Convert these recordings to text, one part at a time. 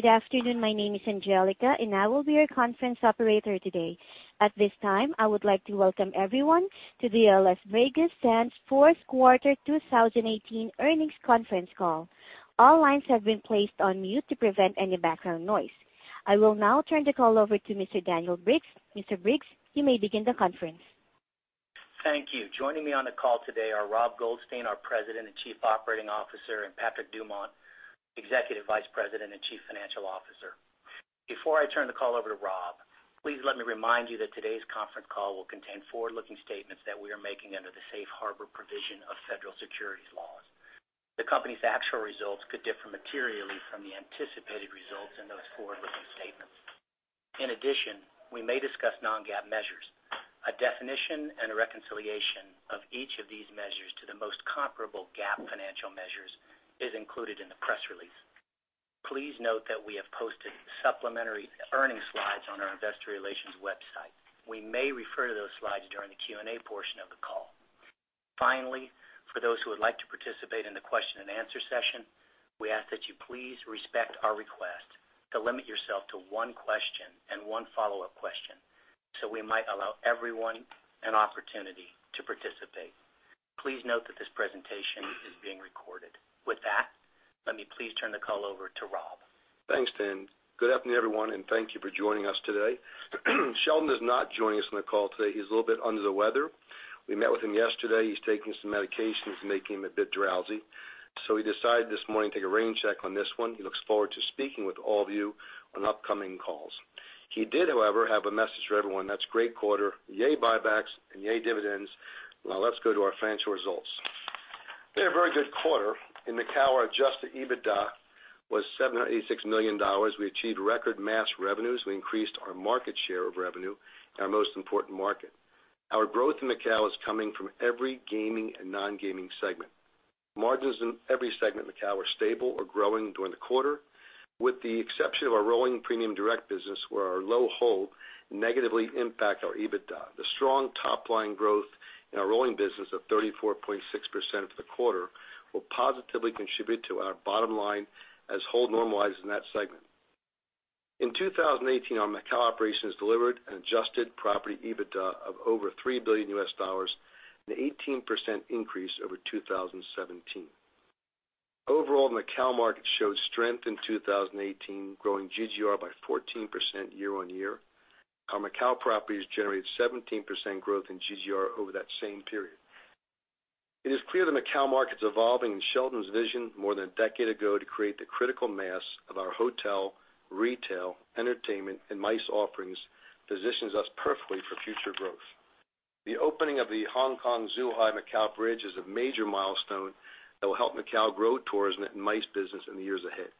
Good afternoon. My name is Angelica, and I will be your conference operator today. At this time, I would like to welcome everyone to the Las Vegas Sands fourth quarter 2018 earnings conference call. All lines have been placed on mute to prevent any background noise. I will now turn the call over to Mr. Daniel Briggs. Mr. Briggs, you may begin the conference. Thank you. Joining me on the call today are Rob Goldstein, our President and Chief Operating Officer, and Patrick Dumont, Executive Vice President and Chief Financial Officer. Before I turn the call over to Rob, please let me remind you that today's conference call will contain forward-looking statements that we are making under the safe harbor provision of federal securities laws. In addition, we may discuss non-GAAP measures. A definition and a reconciliation of each of these measures to the most comparable GAAP financial measures is included in the press release. Please note that we have posted supplementary earnings slides on our investor relations website. We may refer to those slides during the Q&A portion of the call. Finally, for those who would like to participate in the question and answer session, we ask that you please respect our request to limit yourself to one question and one follow-up question, so we might allow everyone an opportunity to participate. Please note that this presentation is being recorded. With that, let me please turn the call over to Rob. Thanks, Dan. Good afternoon, everyone, and thank you for joining us today. Sheldon is not joining us on the call today. He's a little bit under the weather. We met with him yesterday. He's taking some medication that's making him a bit drowsy. He decided this morning to take a rain check on this one. He looks forward to speaking with all of you on upcoming calls. He did, however, have a message for everyone. That's great quarter. Yay, buybacks, and yay, dividends. Now let's go to our financial results. We had a very good quarter. In Macao, our adjusted EBITDA was $786 million. We achieved record mass revenues. We increased our market share of revenue in our most important market. Our growth in Macao is coming from every gaming and non-gaming segment. Margins in every segment in Macao were stable or growing during the quarter, with the exception of our rolling premium direct business, where our low hold negatively impact our EBITDA. The strong top-line growth in our rolling business of 34.6% for the quarter will positively contribute to our bottom line as hold normalizes in that segment. In 2018, our Macao operations delivered an adjusted property EBITDA of over $3 billion, an 18% increase over 2017. Overall, Macao market showed strength in 2018, growing GGR by 14% year-on-year. Our Macao properties generated 17% growth in GGR over that same period. It is clear the Macao market's evolving, and Sheldon's vision more than a decade ago to create the critical mass of our hotel, retail, entertainment, and MICE offerings positions us perfectly for future growth. The opening of the Hong Kong-Zhuhai-Macao bridge is a major milestone that will help Macao grow tourism and MICE business in the years ahead.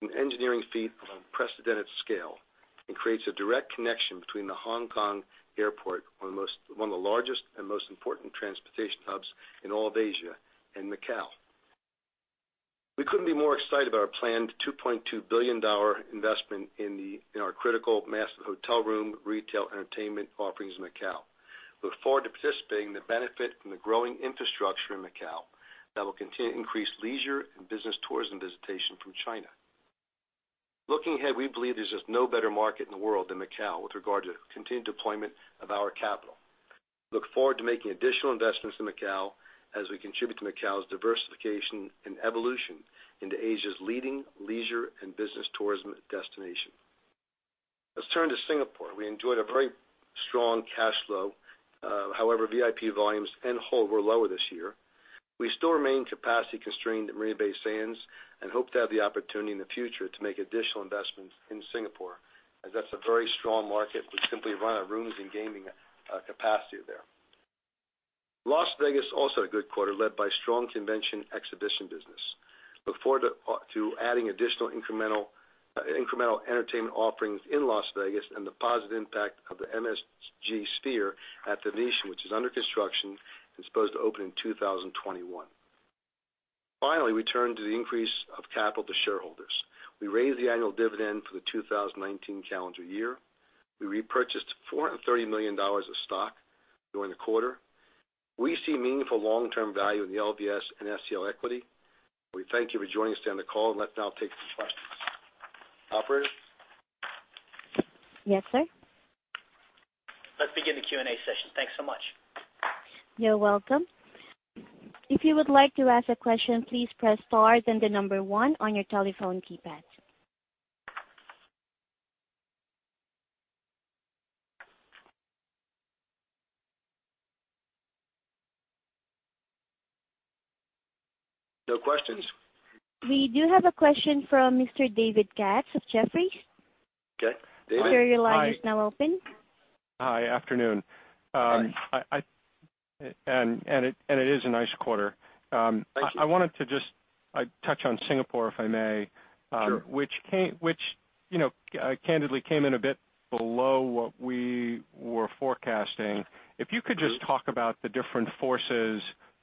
An engineering feat of unprecedented scale, it creates a direct connection between the Hong Kong Airport, one of the largest and most important transportation hubs in all of Asia, and Macao. We couldn't be more excited about our planned $2.2 billion investment in our critical mass of hotel room, retail, entertainment offerings in Macao. We look forward to participating in the benefit from the growing infrastructure in Macao that will continue to increase leisure and business tourism visitation from China. Looking ahead, we believe there's just no better market in the world than Macao with regard to continued deployment of our capital. Look forward to making additional investments in Macao as we contribute to Macao's diversification and evolution into Asia's leading leisure and business tourism destination. Let's turn to Singapore. We enjoyed a very strong cash flow. However, VIP volumes and hold were lower this year. We still remain capacity constrained at Marina Bay Sands and hope to have the opportunity in the future to make additional investments in Singapore, as that's a very strong market. We simply run out of rooms and gaming capacity there. Las Vegas also had a good quarter, led by strong convention exhibition business. Look forward to adding additional incremental entertainment offerings in Las Vegas and the positive impact of the MSG Sphere at The Venetian, which is under construction and is supposed to open in 2021. Finally, we turn to the increase of capital to shareholders. We raised the annual dividend for the 2019 calendar year. We repurchased $430 million of stock during the quarter. We see meaningful long-term value in the LVS and SCL equity. We thank you for joining us on the call. Let's now take some questions. Operator? Yes, sir. Let's begin the Q&A session. Thanks so much. You're welcome. If you would like to ask a question, please press star, then the number one on your telephone keypad. No questions? We do have a question from Mr. David Katz of Jefferies. Okay. David? Sir, your line is now open. Hi. Afternoon. Hi. It is a nice quarter. Thank you. I wanted to just touch on Singapore, if I may. Sure. Which candidly came in a bit below what we were forecasting. If you could just talk about the different forces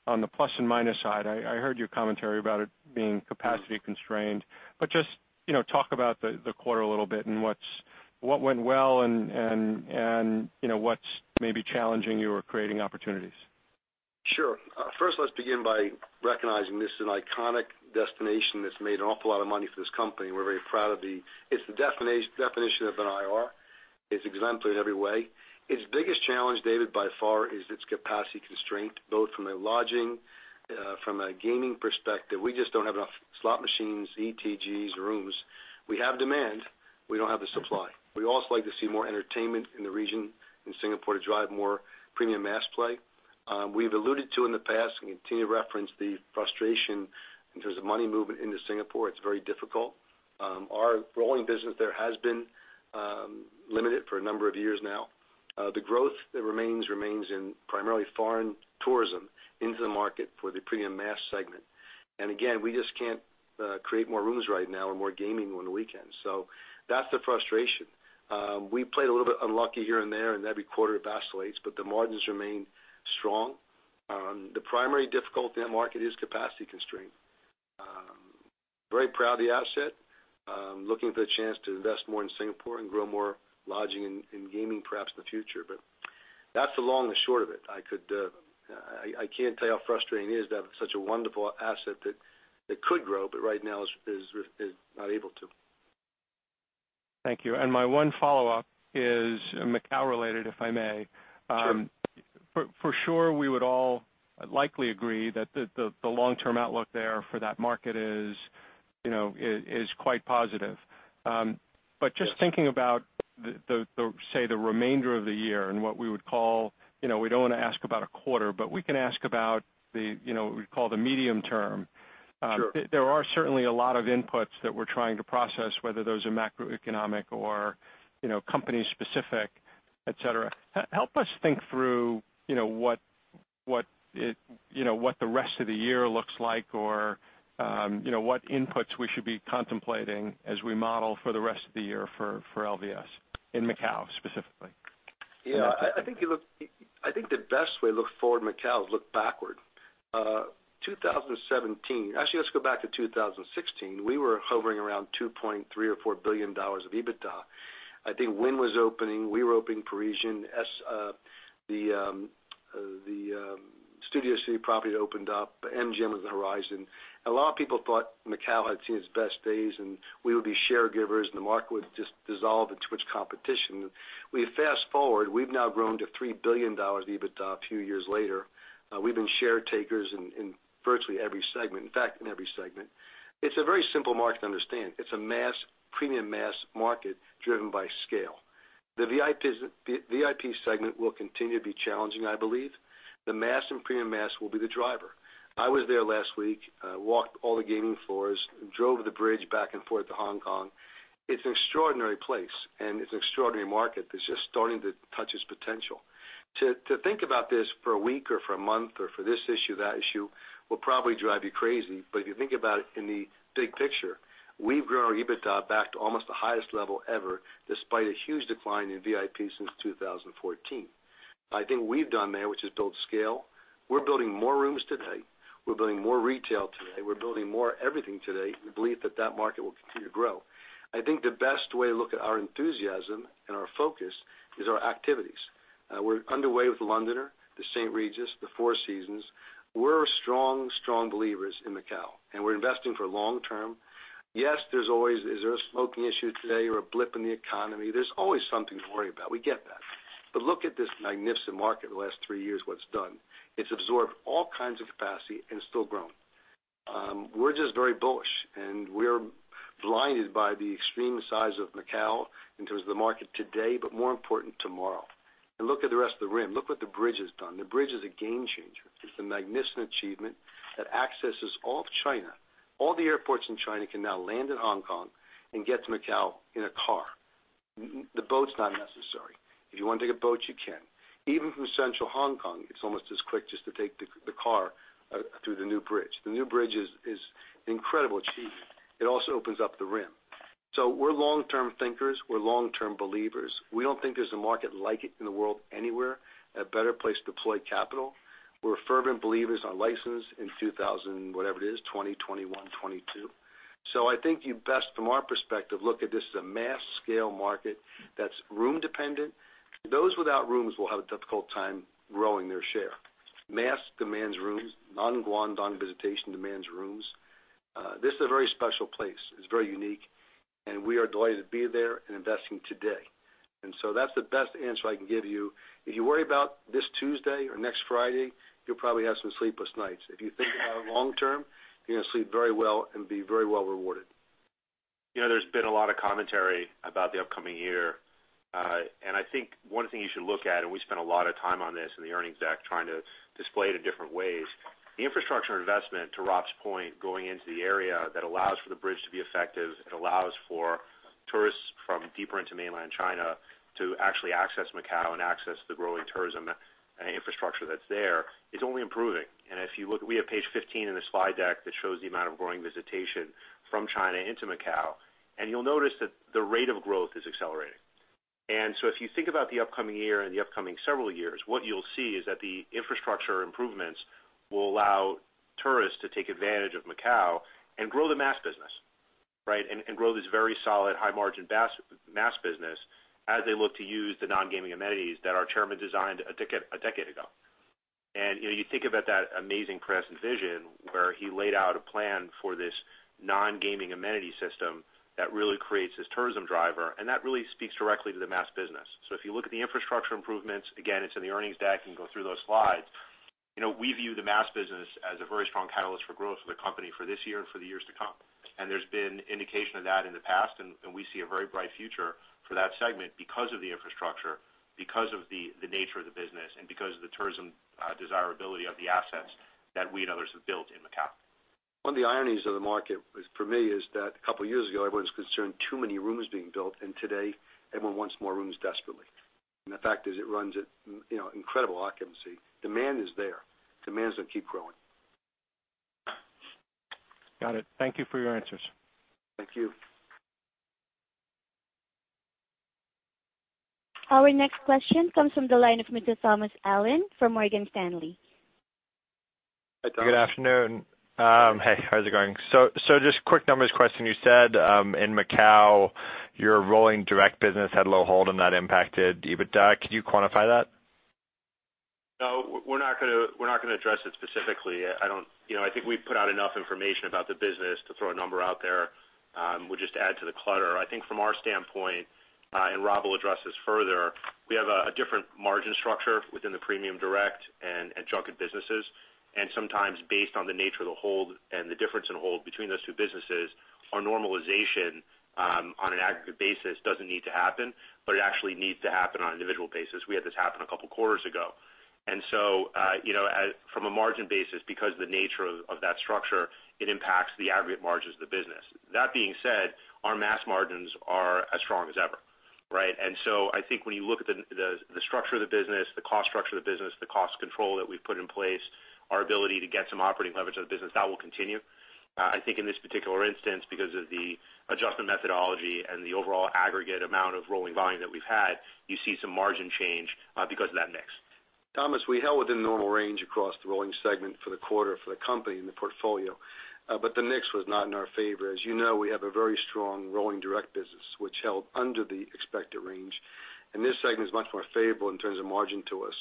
on the plus and minus side. I heard your commentary about it being capacity constrained, but just talk about the quarter a little bit and what went well, and what's maybe challenging you or creating opportunities. Sure. First, let's begin by recognizing this is an iconic destination that's made an awful lot of money for this company. We're very proud of the. It's the definition of an IR. It's exemplary in every way. Its biggest challenge, David, by far, is its capacity constraint, both from a lodging, from a gaming perspective. We just don't have enough slot machines, ETGs, rooms. We have demand, we don't have the supply. We also like to see more entertainment in the region, in Singapore to drive more premium mass play. We've alluded to in the past and continue to reference the frustration in terms of money movement into Singapore. It's very difficult. Our growing business there has been limited for a number of years now. The growth that remains in primarily foreign tourism into the market for the premium mass segment. Again, we just can't create more rooms right now or more gaming on the weekends. That's the frustration. We played a little bit unlucky here and there, and every quarter it oscillates, but the margins remain strong. The primary difficulty in the market is capacity constraint. Very proud of the asset. Looking for the chance to invest more in Singapore and grow more lodging and gaming, perhaps in the future. That's the long and short of it. I can't tell you how frustrating it is to have such a wonderful asset that could grow, but right now is not able to. Thank you. My one follow-up is Macao related, if I may. Sure. For sure, we would all likely agree that the long-term outlook there for that market is quite positive. Just thinking about, say, the remainder of the year and what we would call, we don't want to ask about a quarter, but we can ask about what we call the medium term. Sure. There are certainly a lot of inputs that we're trying to process, whether those are macroeconomic or company specific, et cetera. Help us think through what the rest of the year looks like or what inputs we should be contemplating as we model for the rest of the year for LVS in Macao, specifically. Yeah. I think the best way to look forward in Macao is look backward. 2017, actually, let's go back to 2016. We were hovering around $2.3 billion or $4 billion of EBITDA. I think Wynn was opening, we were opening Parisian. The Studio City property opened up. MGM was on the horizon. A lot of people thought Macao had seen its best days, and we would be share givers, and the market would just dissolve into its competition. We fast forward, we've now grown to $3 billion EBITDA a few years later. We've been share takers in virtually every segment. In fact, in every segment. It's a very simple market to understand. It's a premium mass market driven by scale. The VIP segment will continue to be challenging, I believe. The mass and premium mass will be the driver. I was there last week. I walked all the gaming floors, drove the bridge back and forth to Hong Kong. It's an extraordinary place, and it's an extraordinary market that's just starting to touch its potential. To think about this for a week or for a month or for this issue, that issue, will probably drive you crazy. If you think about it in the big picture, we've grown our EBITDA back to almost the highest level ever, despite a huge decline in VIP since 2014. I think what we've done there, which is build scale. We're building more rooms today. We're building more retail today. We're building more everything today. We believe that that market will continue to grow. I think the best way to look at our enthusiasm and our focus is our activities. We're underway with The Londoner, The St. Regis, The Four Seasons. We're strong believers in Macao, and we're investing for long term. Yes, there's always, is there a smoking issue today or a blip in the economy? There's always something to worry about. We get that. Look at this magnificent market the last three years, what it's done. It's absorbed all kinds of capacity and still growing. We're just very bullish, and we're blinded by the extreme size of Macao in terms of the market today, but more important, tomorrow. Look at the rest of the rim. Look what the bridge has done. The bridge is a game changer. It's a magnificent achievement that accesses all of China. All the airports in China can now land in Hong Kong and get to Macao in a car. The boat's not necessary. If you want to take a boat, you can. Even from central Hong Kong, it's almost as quick just to take the car through the new bridge. The new bridge is an incredible achievement. It also opens up the rim. We're long-term thinkers. We're long-term believers. We don't think there's a market like it in the world anywhere, a better place to deploy capital. We're fervent believers on license in 2000, whatever it is, 2021, 2022. I think you best, from our perspective, look at this as a mass scale market that's room dependent. Those without rooms will have a difficult time growing their share. Mass demands rooms. Non-Guangdong visitation demands rooms. This is a very special place. It's very unique, and we are delighted to be there and investing today. That's the best answer I can give you. If you worry about this Tuesday or next Friday, you'll probably have some sleepless nights. If you think about it long term, you're going to sleep very well and be very well rewarded. There's been a lot of commentary about the upcoming year. I think one thing you should look at, and we spent a lot of time on this in the earnings deck, trying to display it in different ways. The infrastructure investment, to Rob's point, going into the area that allows for the bridge to be effective, it allows for tourists from deeper into mainland China to actually access Macao and access the growing tourism and infrastructure that's there, is only improving. If you look, we have page 15 in the slide deck that shows the amount of growing visitation from China into Macao, and you'll notice that the rate of growth is accelerating. If you think about the upcoming year and the upcoming several years, what you'll see is that the infrastructure improvements will allow tourists to take advantage of Macao and grow the mass business. Right? Grow this very solid high margin mass business as they look to use the non-gaming amenities that our chairman designed a decade ago. You think about that amazing press vision, where he laid out a plan for this non-gaming amenity system that really creates this tourism driver, and that really speaks directly to the mass business. If you look at the infrastructure improvements, again, it's in the earnings deck, you can go through those slides. We view the mass business as a very strong catalyst for growth for the company for this year and for the years to come. There's been indication of that in the past, and we see a very bright future for that segment because of the infrastructure, because of the nature of the business, and because of the tourism desirability of the assets that we and others have built in Macao. One of the ironies of the market is, for me, is that a couple of years ago, everyone was concerned too many rooms being built, today everyone wants more rooms desperately. The fact is it runs at incredible occupancy. Demand is there. Demand is going to keep growing. Got it. Thank you for your answers. Thank you. Our next question comes from the line of Mr. Thomas Allen from Morgan Stanley. Hi, Thomas. Good afternoon. Hey, how's it going? Just quick numbers question. You said, in Macao, your rolling direct business had low hold and that impacted EBITDA. Could you quantify that? No, we're not going to address it specifically. I think we've put out enough information about the business to throw a number out there. We'll just add to the clutter. I think from our standpoint, Rob will address this further, we have a different margin structure within the premium direct and junket businesses. Sometimes based on the nature of the hold and the difference in hold between those two businesses, our normalization on an aggregate basis doesn't need to happen, but it actually needs to happen on an individual basis. We had this happen a couple of quarters ago. From a margin basis, because of the nature of that structure, it impacts the aggregate margins of the business. That being said, our mass margins are as strong as ever. Right? I think when you look at the structure of the business, the cost structure of the business, the cost control that we've put in place, our ability to get some operating leverage of the business, that will continue. I think in this particular instance, because of the adjustment methodology and the overall aggregate amount of rolling volume that we've had, you see some margin change because of that mix. Thomas, we held within the normal range across the rolling segment for the quarter for the company and the portfolio. The mix was not in our favor. As you know, we have a very strong rolling direct business which held under the expected range, and this segment is much more favorable in terms of margin to us.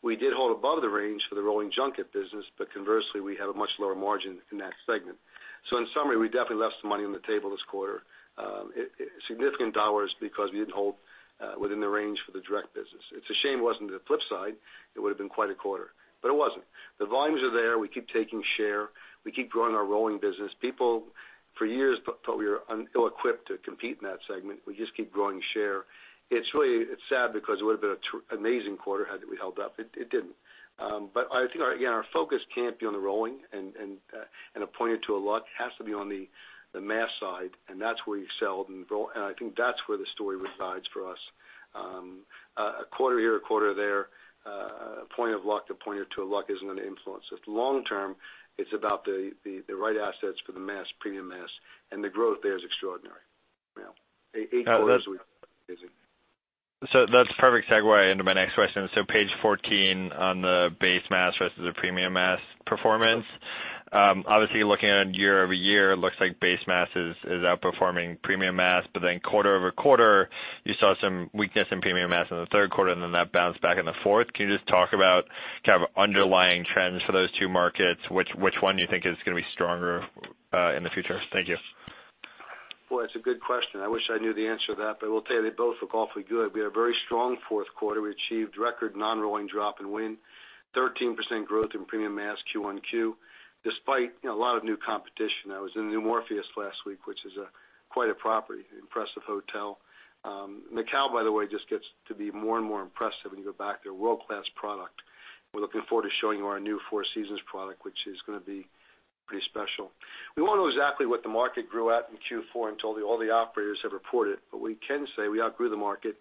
We did hold above the range for the rolling junket business, but conversely, we had a much lower margin in that segment. In summary, we definitely left some money on the table this quarter, significant dollars because we didn't hold within the range for the direct business. It's a shame it wasn't the flip side, it would've been quite a quarter, but it wasn't. The volumes are there. We keep taking share. We keep growing our rolling business. People for years felt we were ill-equipped to compete in that segment. We just keep growing share. It's sad because it would've been an amazing quarter had we held up. It didn't. I think, again, our focus can't be on the rolling and a point or two of luck. It has to be on the mass side, and that's where we excelled. I think that's where the story resides for us. A quarter here, a quarter there, a point of luck, a point or two of luck isn't going to influence us. Long term, it's about the right assets for the mass, premium mass, and the growth there is extraordinary. Eight quarters we've been amazing. That's a perfect segue into my next question. Page 14 on the base mass versus the premium mass performance. Obviously, looking at it year-over-year, it looks like base mass is outperforming premium mass. Quarter-over-quarter, you saw some weakness in premium mass in the third quarter, and then that bounced back in the fourth. Can you just talk about kind of underlying trends for those two markets? Which one you think is going to be stronger in the future? Thank you. Boy, that's a good question. I wish I knew the answer to that. I will tell you they both look awfully good. We had a very strong fourth quarter. We achieved record non-rolling drop and win, 13% growth in premium mass Q-on-Q, despite a lot of new competition. I was in the new Morpheus last week, which is quite a property, impressive hotel. Macao, by the way, just gets to be more and more impressive when you go back there. World-class product. We're looking forward to showing you our new Four Seasons product, which is going to be pretty special. We won't know exactly what the market grew at in Q4 until all the operators have reported. We can say we outgrew the market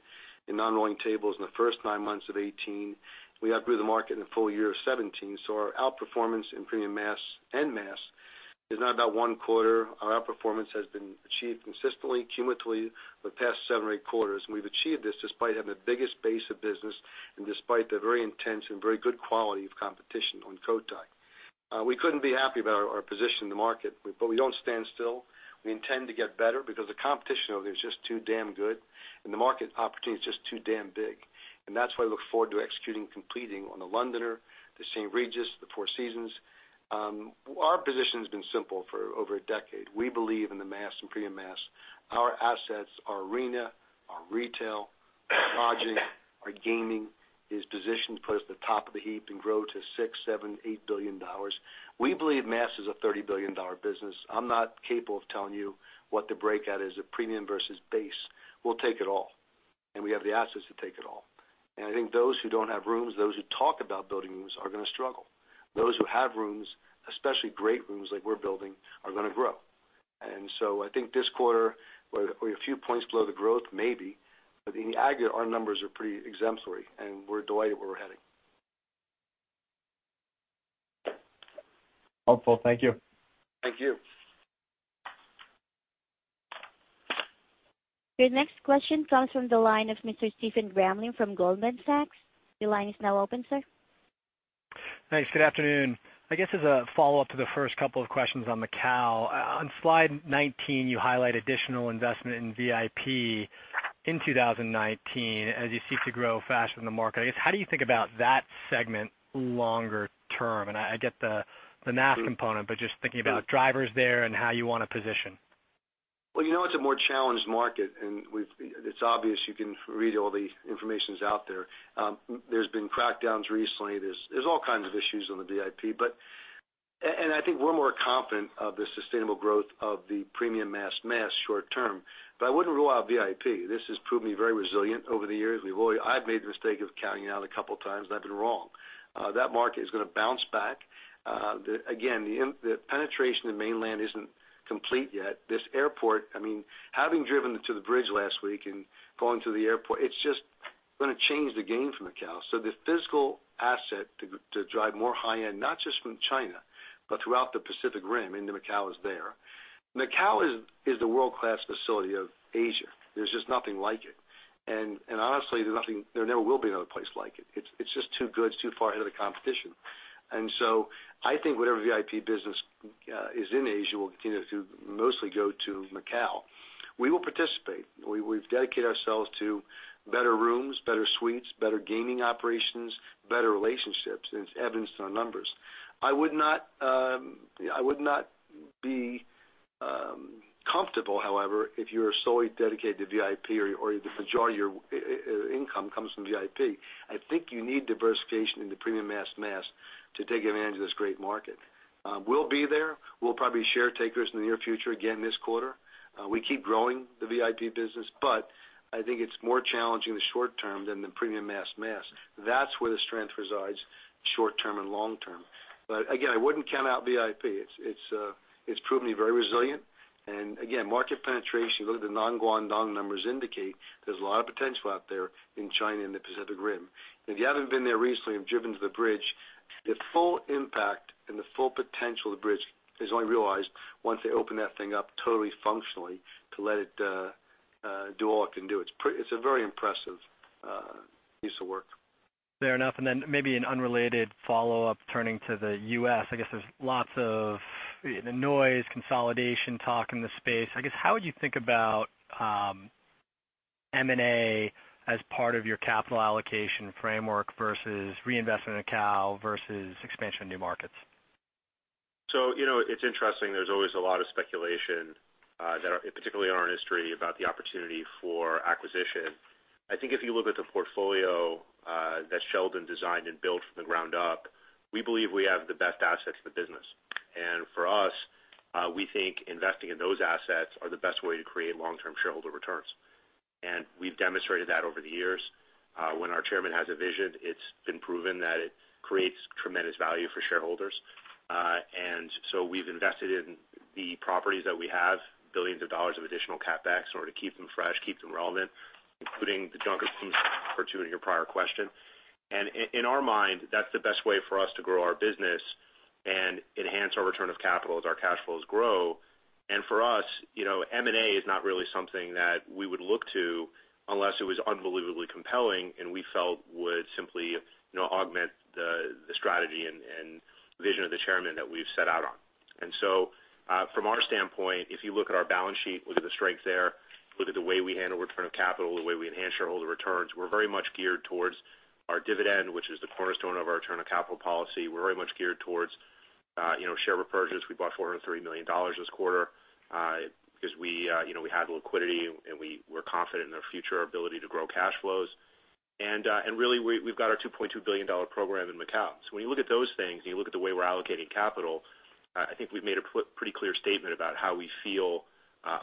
in non-rolling tables in the first nine months of 2018. We outgrew the market in the full year of 2017. Our outperformance in premium mass and mass is not about one quarter. Our outperformance has been achieved consistently, cumulatively, for the past seven or eight quarters. We've achieved this despite having the biggest base of business and despite the very intense and very good quality of competition on Cotai. We couldn't be happier about our position in the market. We don't stand still. We intend to get better because the competition out there is just too damn good and the market opportunity is just too damn big. That's why I look forward to executing, completing on The Londoner, The St. Regis, the Four Seasons. Our position's been simple for over a decade. We believe in the mass and premium mass. Our assets, our arena, our retail, our project, our gaming is positioned to put us at the top of the heap and grow to $6 billion, $7 billion, $8 billion. We believe mass is a $30 billion business. I'm not capable of telling you what the breakout is of premium versus base. We'll take it all, and we have the assets to take it all. I think those who don't have rooms, those who talk about building rooms, are going to struggle. Those who have rooms, especially great rooms like we're building, are going to grow. I think this quarter, we're a few points below the growth, maybe. In the aggregate, our numbers are pretty exemplary, and we're delighted where we're heading. Helpful. Thank you. Thank you. Your next question comes from the line of Mr. Stephen Grambling from Goldman Sachs. Your line is now open, sir. Thanks. Good afternoon. I guess as a follow-up to the first couple of questions on Macao. On slide 19, you highlight additional investment in VIP in 2019 as you seek to grow faster than the market. I guess, how do you think about that segment longer term? I get the mass component, but just thinking about drivers there and how you want to position. You know it's a more challenged market, and it's obvious. You can read all the information out there. There's been crackdowns recently. There's all kinds of issues on the VIP. I think we're more confident of the sustainable growth of the premium mass-mass short term, but I wouldn't rule out VIP. This has proven very resilient over the years. I've made the mistake of counting it out a couple of times, and I've been wrong. That market is going to bounce back. Again, the penetration in mainland isn't complete yet. This airport, having driven to the bridge last week and going to the airport, it's just going to change the game for Macao. The physical asset to drive more high-end, not just from China, but throughout the Pacific Rim into Macao is there. Macao is the world-class facility of Asia. There's just nothing like it. Honestly, there never will be another place like it. It's just too good. It's too far ahead of the competition. I think whatever VIP business is in Asia will continue to mostly go to Macao. We will participate. We've dedicated ourselves to better rooms, better suites, better gaming operations, better relationships, and it's evidenced in our numbers. I would not be comfortable, however, if you are solely dedicated to VIP or if the majority of your income comes from VIP. I think you need diversification in the premium mass-mass to take advantage of this great market. We'll be there. We'll probably be share takers in the near future, again, this quarter. We keep growing the VIP business, but I think it's more challenging in the short term than the premium mass-mass. That's where the strength resides short term and long term. Again, I wouldn't count out VIP. It's proven to be very resilient. Again, market penetration, look at the non-Guangdong numbers indicate there's a lot of potential out there in China and the Pacific Rim. If you haven't been there recently and driven to the bridge, the full impact and the full potential of the bridge is only realized once they open that thing up totally functionally to let it do all it can do. It's a very impressive piece of work. Fair enough. Then maybe an unrelated follow-up, turning to the U.S., I guess there's lots of noise, consolidation talk in the space. I guess, how would you think about M&A as part of your capital allocation framework versus reinvestment in Macao versus expansion of new markets? It's interesting. There's always a lot of speculation, particularly in our industry, about the opportunity for acquisition. I think if you look at the portfolio that Sheldon designed and built from the ground up, we believe we have the best assets in the business. For us, we think investing in those assets are the best way to create long-term shareholder returns. We've demonstrated that over the years. When our chairman has a vision, it's been proven that it creates tremendous value for shareholders. We've invested in the properties that we have billions of dollars of additional CapEx in order to keep them fresh, keep them relevant, including the junket piece pursuant to your prior question. In our mind, that's the best way for us to grow our business and enhance our return of capital as our cash flows grow. For us, M&A is not really something that we would look to unless it was unbelievably compelling and we felt would simply augment the strategy and vision of the chairman that we've set out on. From our standpoint, if you look at our balance sheet, look at the strength there, look at the way we handle return of capital, the way we enhance shareholder returns, we're very much geared towards our dividend, which is the cornerstone of our return of capital policy. We're very much geared towards share repurchase. We bought $430 million this quarter because we had the liquidity, and we're confident in our future ability to grow cash flows. Really, we've got our $2.2 billion program in Macao. When you look at those things and you look at the way we're allocating capital, I think we've made a pretty clear statement about how we feel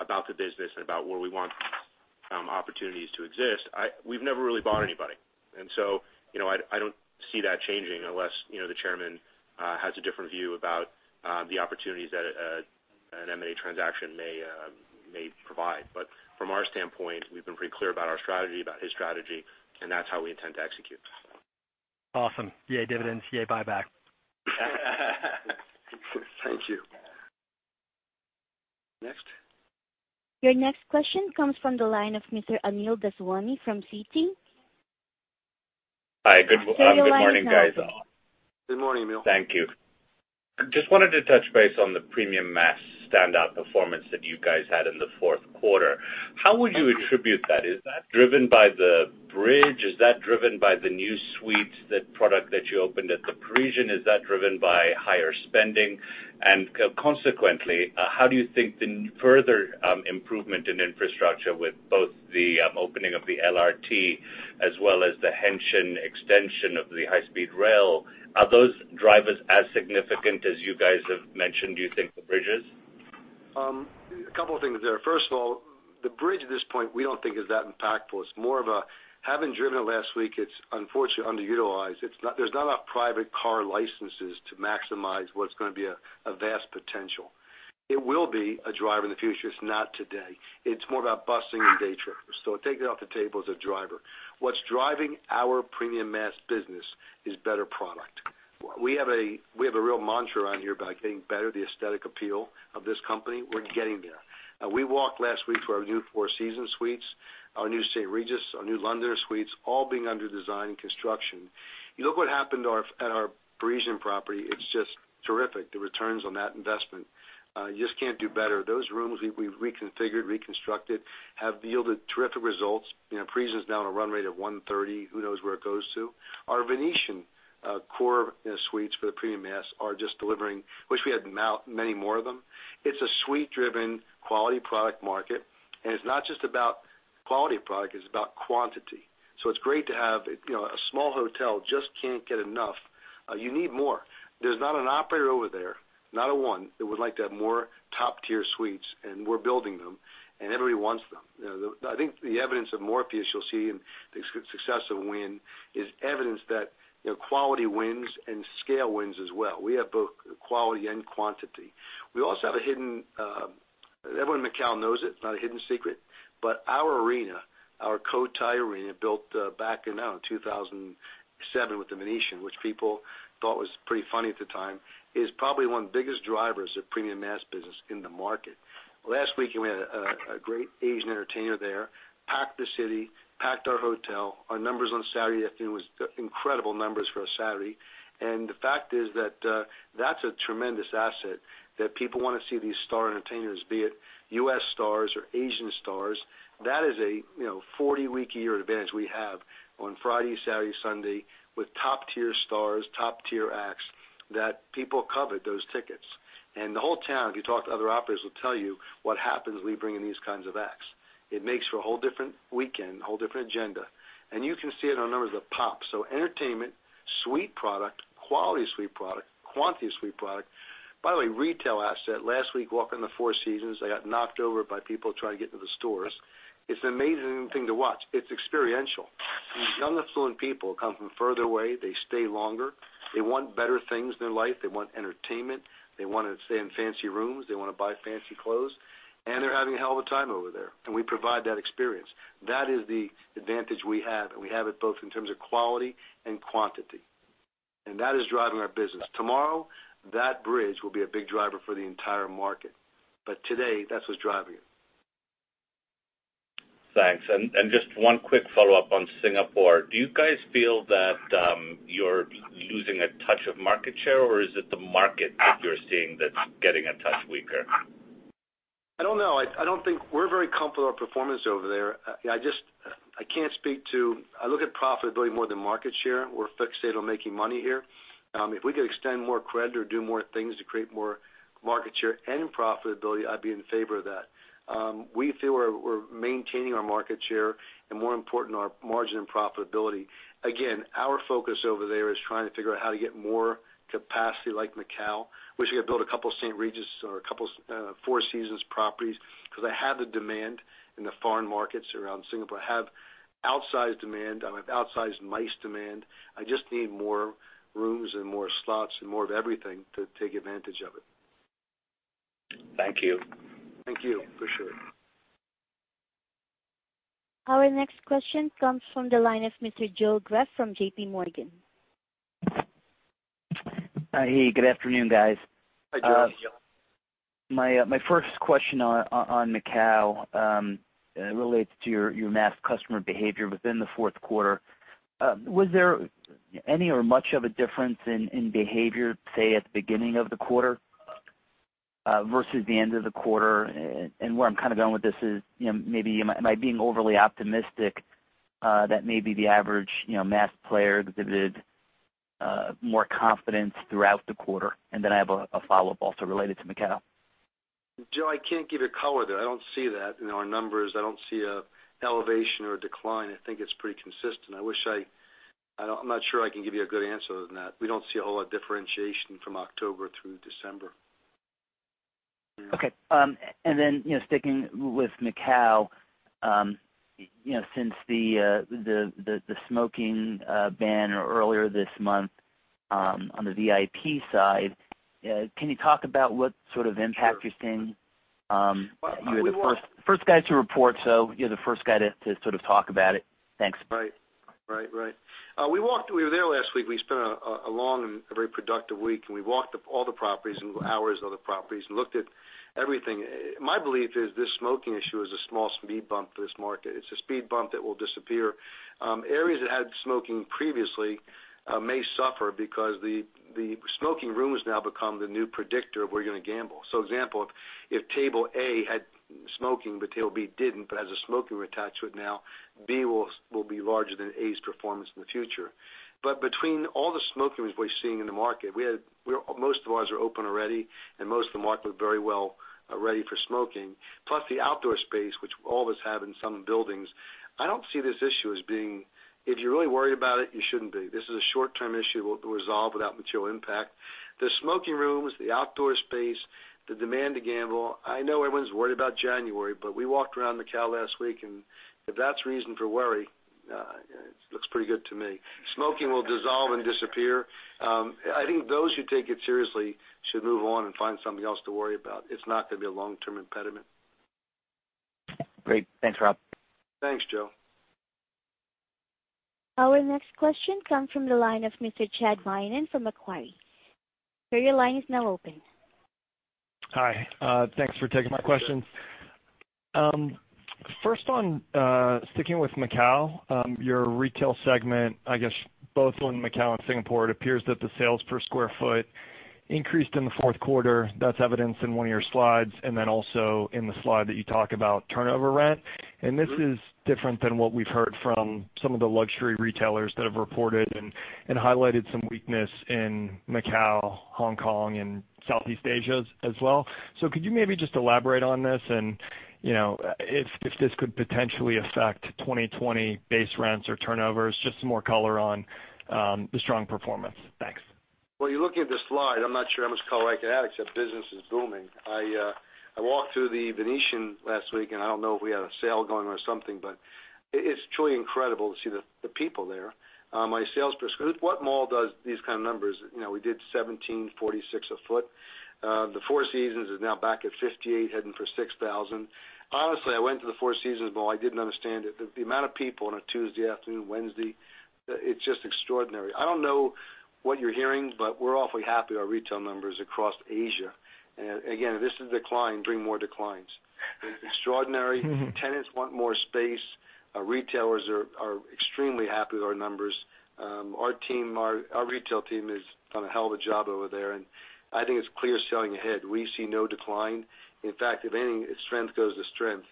about the business and about where we want opportunities to exist. We've never really bought anybody, I don't see that changing unless the Chairman has a different view about the opportunities that an M&A transaction may provide. From our standpoint, we've been pretty clear about our strategy, about his strategy, and that's how we intend to execute. Awesome. Yay, dividends. Yay, buyback. Thank you. Next? Your next question comes from the line of Mr. Anil Daswani from Citi. Hi, good morning, guys. Sir, your line is now open. Good morning, Anil. Thank you. Just wanted to touch base on the premium mass standout performance that you guys had in the fourth quarter. How would you attribute that? Is that driven by the bridge? Is that driven by the new suite, that product that you opened at The Parisian? Is that driven by higher spending? Consequently, how do you think the further improvement in infrastructure with both the opening of the LRT as well as the Hengqin extension of the high-speed rail, are those drivers as significant as you guys have mentioned, do you think, the bridge is? A couple of things there. First of all, the bridge at this point, we don't think is that impactful. Having driven it last week, it's unfortunately underutilized. There's not enough private car licenses to maximize what's going to be a vast potential. It will be a driver in the future. It's not today. It's more about busing and day trippers. Take that off the table as a driver. What's driving our premium mass business is better product. We have a real mantra around here about getting better the aesthetic appeal of this company. We're getting there. We walked last week to our new Four Seasons suites, our new St. Regis, our new London suites, all being under design and construction. You look what happened at our Parisian property, it's just terrific, the returns on that investment. You just can't do better. Those rooms we've reconfigured, reconstructed, have yielded terrific results. Parisian's now on a run rate of 130. Who knows where it goes to? Our Venetian core suites for the premium mass are just delivering, wish we had many more of them. It's a suite-driven quality product market, and it's not just about quality of product, it's about quantity. It's great to have a small hotel, just can't get enough. You need more. There's not an operator over there, not a one, that would like to have more top-tier suites, and we're building them, and everybody wants them. I think the evidence of Morpheus you'll see and the success of Wynn is evidence that quality wins and scale wins as well. We have both quality and quantity. Everyone in Macao knows it, not a hidden secret, but our arena, our Cotai Arena, built back in 2007 with The Venetian, which people thought was pretty funny at the time, is probably one of the biggest drivers of premium mass business in the market. Last week, we had a great Asian entertainer there, packed the city, packed our hotel. Our numbers on Saturday afternoon was incredible numbers for a Saturday. The fact is that's a tremendous asset that people want to see these star entertainers, be it U.S. stars or Asian stars. That is a 40-week-a-year event we have on Friday, Saturday, Sunday, with top-tier stars, top-tier acts, that people covet those tickets. The whole town, if you talk to other operators, will tell you what happens when we bring in these kinds of acts. It makes for a whole different weekend, a whole different agenda. You can see it on numbers that pop. Entertainment, suite product, quality suite product, quantity suite product. By the way, retail asset, last week walked into Four Seasons, I got knocked over by people trying to get into the stores. It's an amazing thing to watch. It's experiential. These young affluent people come from further away, they stay longer. They want better things in their life. They want entertainment. They want to stay in fancy rooms. They want to buy fancy clothes. They're having a hell of a time over there, and we provide that experience. That is the advantage we have, and we have it both in terms of quality and quantity. That is driving our business. Tomorrow, that bridge will be a big driver for the entire market. Today, that's what's driving it. Thanks. Just one quick follow-up on Singapore. Do you guys feel that you're losing a touch of market share, or is it the market that you're seeing that's getting a touch weaker? I don't know. We're very comfortable with our performance over there. I look at profitability more than market share. We're fixated on making money here. If we could extend more credit or do more things to create more market share and profitability, I'd be in favor of that. We feel we're maintaining our market share, and more important, our margin and profitability. Again, our focus over there is trying to figure out how to get more capacity like Macao. Wish we could build a couple of The St. Regis or a couple of Four Seasons properties because I have the demand in the foreign markets around Singapore. I have outsized demand. I have outsized MICE demand. I just need more rooms and more slots and more of everything to take advantage of it. Thank you. Thank you. Appreciate it. Our next question comes from the line of Mr. Joe Greff from JPMorgan. Hi. Good afternoon, guys. Hi, Joe. How you doing? My first question on Macao relates to your mass customer behavior within the fourth quarter. Was there any or much of a difference in behavior, say, at the beginning of the quarter versus the end of the quarter? Where I'm kind of going with this is, am I being overly optimistic that maybe the average mass player exhibited more confidence throughout the quarter? Then I have a follow-up also related to Macao. Joe, I can't give you color there. I don't see that in our numbers. I don't see an elevation or a decline. I think it's pretty consistent. I'm not sure I can give you a good answer other than that. We don't see a whole lot of differentiation from October through December. Okay. Sticking with Macao, since the smoking ban earlier this month on the VIP side, can you talk about what sort of impact you're seeing? Sure. You're the first guy to report, so you're the first guy to sort of talk about it. Thanks. Right. We were there last week. We spent a long and a very productive week, and we walked up all the properties and hours of the properties and looked at everything. My belief is this smoking issue is a small speed bump to this market. It's a speed bump that will disappear. Areas that had smoking previously may suffer because the smoking room has now become the new predictor of where you're going to gamble. Example, if table A had smoking, but table B didn't, but has a smoking room attached to it now, B will be larger than A's performance in the future. Between all the smoking rooms we're seeing in the market, most of the bars are open already, and most of the market was very well ready for smoking. Plus the outdoor space, which all of us have in some buildings. If you're really worried about it, you shouldn't be. This is a short-term issue we'll resolve without material impact. The smoking rooms, the outdoor space, the demand to gamble, I know everyone's worried about January, but we walked around Macao last week, and if that's reason for worry, it looks pretty good to me. Smoking will dissolve and disappear. I think those who take it seriously should move on and find something else to worry about. It's not going to be a long-term impediment. Great. Thanks, Rob. Thanks, Joe. Our next question comes from the line of Mr. Chad Beynon from Macquarie. Sir, your line is now open. Hi. Thanks for taking my questions. First on, sticking with Macao, your retail segment, I guess both in Macau and Singapore, it appears that the sales per square foot increased in the fourth quarter. That's evidenced in one of your slides and then also in the slide that you talk about turnover rent. This is different than what we've heard from some of the luxury retailers that have reported and highlighted some weakness in Macau, Hong Kong, and Southeast Asia as well. Could you maybe just elaborate on this and if this could potentially affect 2020 base rents or turnovers, just some more color on the strong performance. Thanks. You're looking at the slide. I'm not sure how much color I can add except business is booming. I walked through The Venetian last week. I don't know if we had a sale going or something. It is truly incredible to see the people there. My sales per square. What mall does these kind of numbers? We did $1,746 a foot. The Four Seasons is now back at $58, heading for $6,000. Honestly, I went to The Four Seasons mall. I didn't understand it. The amount of people on a Tuesday afternoon, Wednesday, it's just extraordinary. I don't know what you're hearing. We're awfully happy with our retail numbers across Asia. Again, this is decline, bring more declines. Extraordinary. Tenants want more space. Our retailers are extremely happy with our numbers. Our retail team has done a hell of a job over there. I think it's clear sailing ahead. We see no decline. If anything, its strength goes to strength.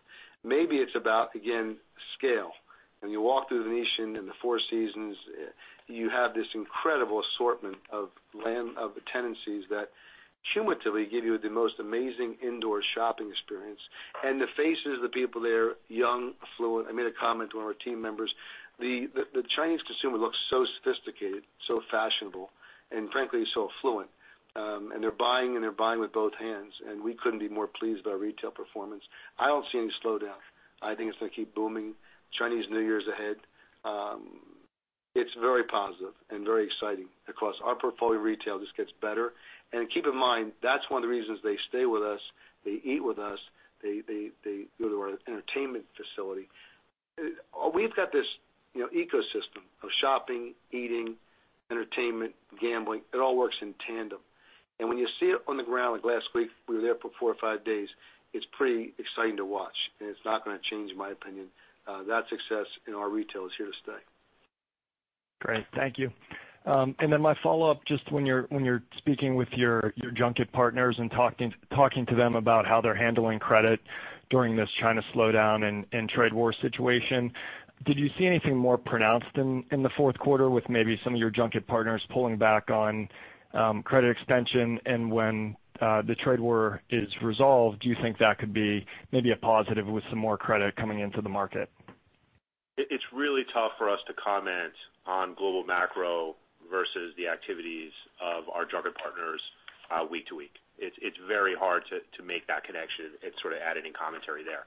Maybe it's about, again, scale. When you walk through The Venetian and The Four Seasons, you have this incredible assortment of tenancies that cumulatively give you the most amazing indoor shopping experience. The faces of the people there, young, affluent. I made a comment to one of our team members. The Chinese consumer looks so sophisticated, so fashionable, frankly, so affluent. They're buying. They're buying with both hands. We couldn't be more pleased with our retail performance. I don't see any slowdown. I think it's going to keep booming. Chinese New Year is ahead. It's very positive, very exciting because our portfolio retail just gets better. Keep in mind, that's one of the reasons they stay with us, they eat with us, they go to our entertainment facility. We've got this ecosystem of shopping, eating, entertainment, gambling. It all works in tandem. When you see it on the ground, like last week, we were there for four or five days, it's pretty exciting to watch. It's not going to change my opinion. That success in our retail is here to stay. Great. Thank you. My follow-up, just when you're speaking with your junket partners and talking to them about how they're handling credit during this China slowdown and trade war situation, did you see anything more pronounced in the fourth quarter with maybe some of your junket partners pulling back on credit extension? When the trade war is resolved, do you think that could be maybe a positive with some more credit coming into the market? It's really tough for us to comment on global macro versus the activities of our junket partners week to week. It's very hard to make that connection and sort of add any commentary there.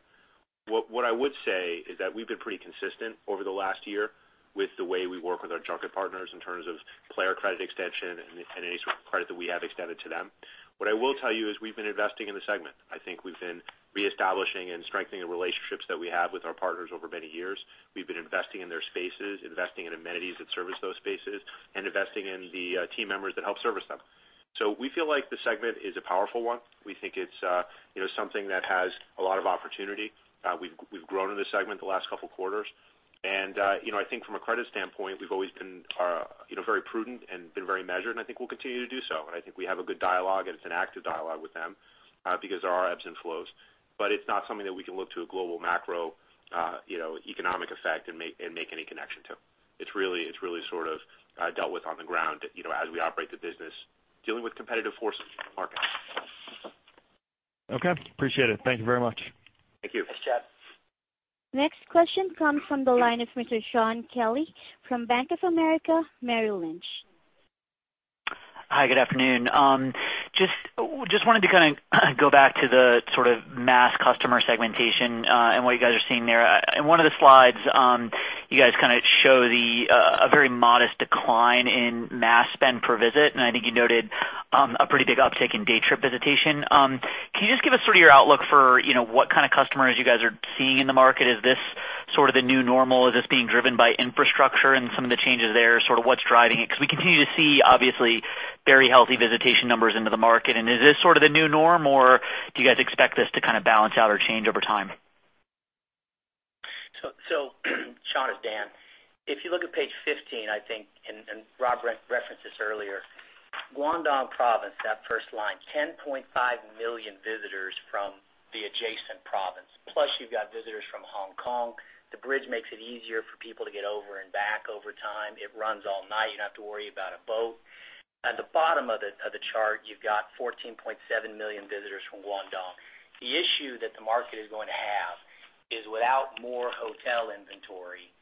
What I would say is that we've been pretty consistent over the last year with the way we work with our junket partners in terms of player credit extension and any sort of credit that we have extended to them. What I will tell you is we've been investing in the segment. I think we've been reestablishing and strengthening the relationships that we have with our partners over many years. We've been investing in their spaces, investing in amenities that service those spaces, and investing in the team members that help service them. We feel like the segment is a powerful one. We think it's something that has a lot of opportunity. We've grown in this segment the last couple of quarters. I think from a credit standpoint, we've always been very prudent and been very measured, and I think we'll continue to do so. I think we have a good dialogue, and it's an active dialogue with them because there are ebbs and flows. It's not something that we can look to a global macro economic effect and make any connection to. It's really sort of dealt with on the ground as we operate the business, dealing with competitive forces in the market. Okay. Appreciate it. Thank you very much. Thank you. Thanks, Chad. Next question comes from the line of Mr. Shaun Kelley from Bank of America Merrill Lynch. Hi, good afternoon. Just wanted to kind of go back to the sort of mass customer segmentation, and what you guys are seeing there. In one of the slides, you guys kind of show a very modest decline in mass spend per visit, and I think you noted a pretty big uptick in day trip visitation. Can you just give us sort of your outlook for what kind of customers you guys are seeing in the market? Is this sort of the new normal? Is this being driven by infrastructure and some of the changes there, sort of what's driving it? We continue to see, obviously, very healthy visitation numbers into the market. Is this sort of the new norm, or do you guys expect this to kind of balance out or change over time? Shaun, it's Dan. If you look at page 15, I think, and Rob referenced this earlier, Guangdong Province, that first line, 10.5 million visitors from the adjacent province. Plus you've got visitors from Hong Kong. The bridge makes it easier for people to get over and back over time. It runs all night. You don't have to worry about a boat. At the bottom of the chart, you've got 14.7 million visitors from Guangdong. The issue that the market is going to have is without more hotel inventory,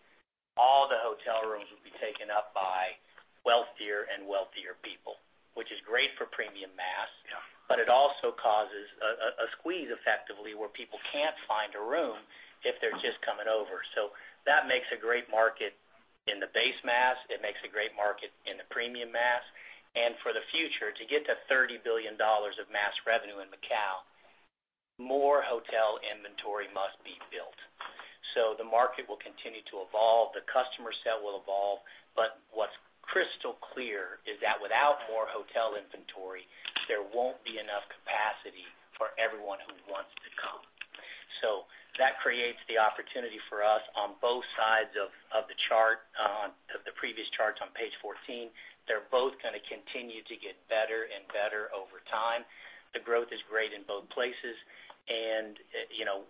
all the hotel rooms will be taken up by wealthier and wealthier people, which is great for premium mass. Yeah. It also causes a squeeze, effectively, where people can't find a room if they're just coming over. That makes a great market. In the base mass, it makes a great market in the premium mass, and for the future, to get to $30 billion of mass revenue in Macao, more hotel inventory must be built. The market will continue to evolve. The customer set will evolve. What's crystal clear is that without more hotel inventory, there won't be enough capacity for everyone who wants to come. That creates the opportunity for us on both sides of the previous charts on page 14. They're both going to continue to get better and better over time. The growth is great in both places, and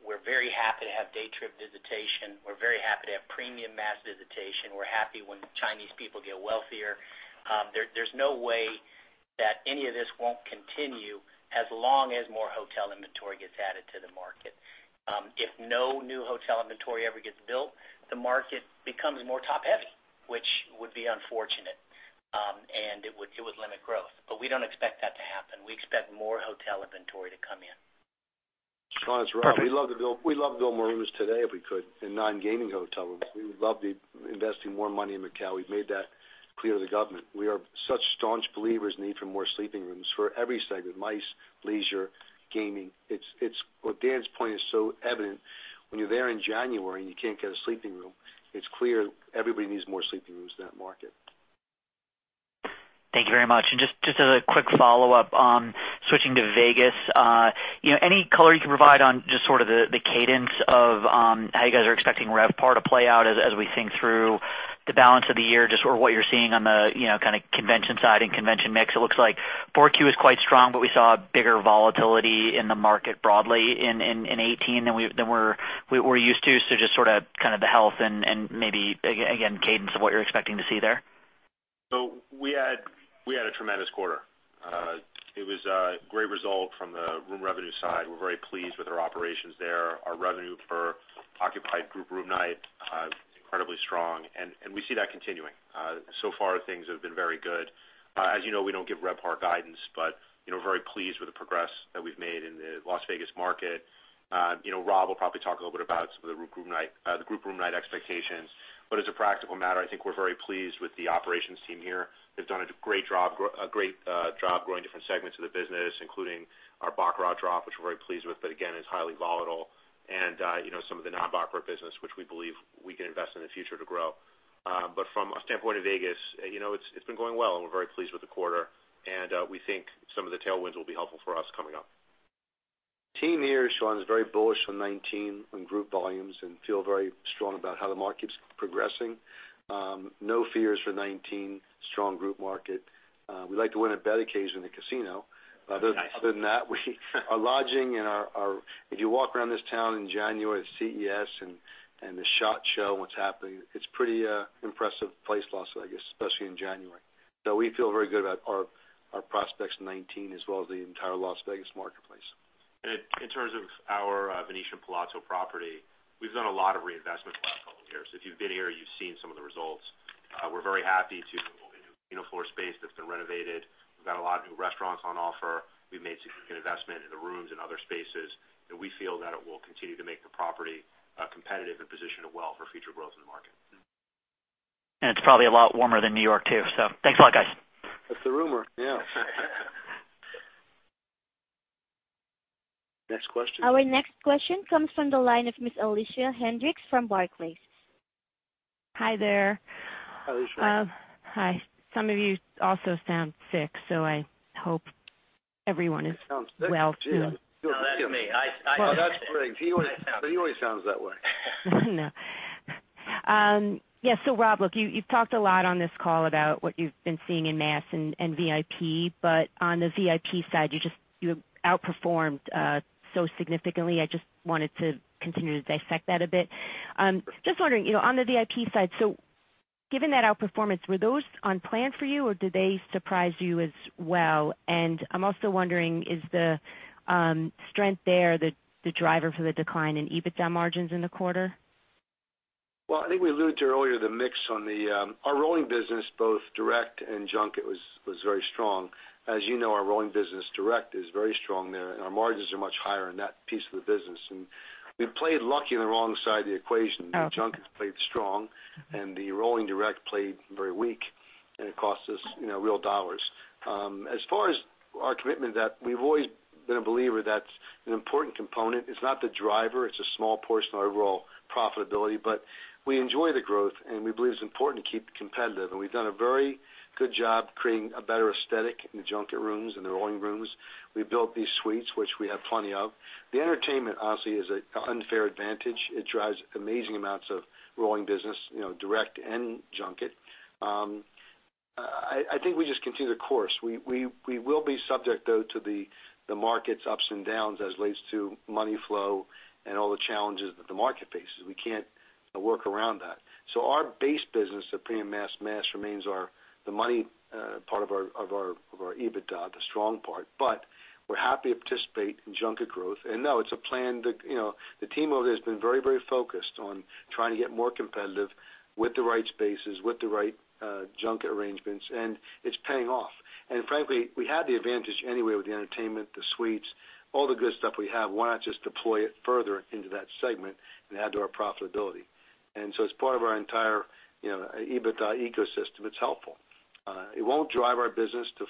we're very happy to have day trip visitation. We're very happy to have premium mass visitation. We're happy when Chinese people get wealthier. There's no way that any of this won't continue as long as more hotel inventory gets added to the market. If no new hotel inventory ever gets built, the market becomes more top-heavy, which would be unfortunate, and it would limit growth. We don't expect that to happen. We expect more hotel inventory to come in. Shaun, that's right. We'd love to build more rooms today if we could, in non-gaming hotel rooms. We would love to be investing more money in Macao. We've made that clear to the government. We are such staunch believers in the need for more sleeping rooms for every segment, MICE, leisure, gaming. Dan's point is so evident. When you're there in January and you can't get a sleeping room, it's clear everybody needs more sleeping rooms in that market. Thank you very much. Just as a quick follow-up, switching to Vegas, any color you can provide on just sort of the cadence of how you guys are expecting RevPAR to play out as we think through the balance of the year, just sort of what you're seeing on the kind of convention side and convention mix? It looks like 4Q was quite strong, but we saw a bigger volatility in the market broadly in 2018 than we're used to. Just sort of, kind of the health and maybe, again, cadence of what you're expecting to see there. We had a tremendous quarter. It was a great result from the room revenue side. We're very pleased with our operations there. Our revenue per occupied group room night, incredibly strong, and we see that continuing. So far, things have been very good. As you know, we don't give RevPAR guidance, but very pleased with the progress that we've made in the Las Vegas market. Rob will probably talk a little bit about some of the group room night expectations. As a practical matter, I think we're very pleased with the operations team here. They've done a great job growing different segments of the business, including our baccarat drop, which we're very pleased with, but again, is highly volatile, and some of the non-baccarat business, which we believe we can invest in the future to grow. From a standpoint of Vegas, it's been going well. We're very pleased with the quarter, and we think some of the tailwinds will be helpful for us coming up. Team here, Shaun, is very bullish on 2019 on group volumes and feel very strong about how the market's progressing. No fears for 2019. Strong group market. We like to win a bet occasionally in the casino. Nice. Other than that, our lodging, if you walk around this town in January at CES and the SHOT Show, what's happening, it's a pretty impressive place, Las Vegas, especially in January. We feel very good about our prospects in 2019 as well as the entire Las Vegas marketplace. In terms of our Venetian Palazzo property, we've done a lot of reinvestment the last couple of years. If you've been here, you've seen some of the results. We're very happy to, a new casino floor space that's been renovated. We've got a lot of new restaurants on offer. We've made significant investment in the rooms and other spaces. We feel that it will continue to make the property competitive and position it well for future growth in the market. It's probably a lot warmer than New York, too. Thanks a lot, guys. That's the rumor, yeah. Next question. Our next question comes from the line of Ms. Felicia Hendrix from Barclays. Hi there. Hi, Felicia. Hi. Some of you also sound sick, so I hope everyone is well, too. Sounds sick? Gee. No, that's me. Oh, that's Briggs. He always sounds that way. No. Yeah, Rob, look, you've talked a lot on this call about what you've been seeing in mass and VIP, on the VIP side, you outperformed significantly. I just wanted to continue to dissect that a bit. Just wondering, on the VIP side, given that outperformance, were those on plan for you, or did they surprise you as well? I'm also wondering, is the strength there the driver for the decline in EBITDA margins in the quarter? Well, I think we alluded to earlier the mix on our rolling business, both direct and junket, was very strong. As you know, our rolling business direct is very strong there, and our margins are much higher in that piece of the business. We played lucky on the wrong side of the equation. Oh. Junket played strong. The rolling direct played very weak, and it cost us real dollars. As far as our commitment, we've always been a believer that's an important component. It's not the driver. It's a small portion of our overall profitability, but we enjoy the growth, and we believe it's important to keep competitive. We've done a very good job creating a better aesthetic in the junket rooms and the rolling rooms. We built these suites, which we have plenty of. The entertainment, honestly, is an unfair advantage. It drives amazing amounts of rolling business, direct and junket. I think we just continue the course. We will be subject, though, to the market's ups and downs as it relates to money flow and all the challenges that the market faces. We can't work around that. Our base business of premium mass remains the money part of our EBITDA, the strong part. We're happy to participate in junket growth. No, it's a plan. The team over there has been very, very focused on trying to get more competitive with the right spaces, with the right junket arrangements, and it's paying off. Frankly, we had the advantage anyway with the entertainment, the suites, all the good stuff we have. Why not just deploy it further into that segment and add to our profitability? As part of our entire EBITDA ecosystem, it's helpful. It won't drive our business to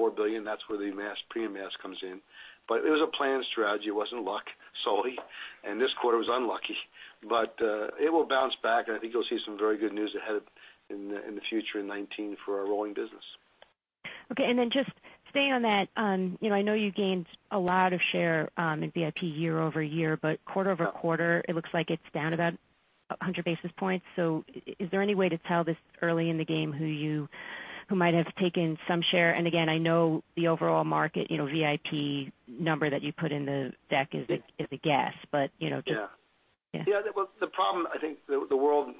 $4 billion. That's where the premium mass comes in. It was a planned strategy. It wasn't luck solely, and this quarter was unlucky, but it will bounce back, and I think you'll see some very good news ahead in the future in 2019 for our rolling business. Okay, just staying on that, I know you gained a lot of share in VIP year-over-year, but quarter-over-quarter, it looks like it's down about 100 basis points. Is there any way to tell this early in the game who might have taken some share? Again, I know the overall market, VIP number that you put in the deck is a guess. Yeah. Yeah. Yeah. The problem, I think, the world,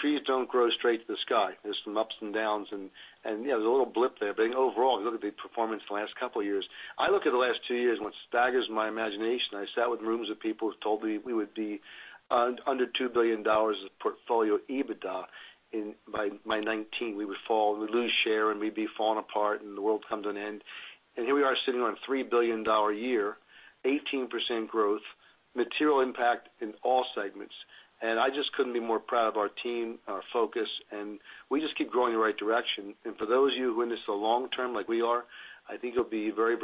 trees don't grow straight to the sky. There's some ups and downs and, yeah, there's a little blip there. Overall, look at the performance the last couple of years. I look at the last two years and what staggers my imagination, I sat with rooms of people who told me we would be under $2 billion of portfolio EBITDA by 2019. We'd lose share, and we'd be falling apart, and the world comes to an end. Here we are sitting on a $3 billion a year, 18% growth, material impact in all segments. I just couldn't be more proud of our team, our focus, and we just keep growing in the right direction. For those of you who are in this for the long term like we are, I think you'll be very